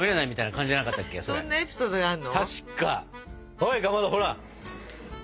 ほいかまどほら。